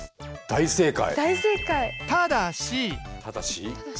大正解。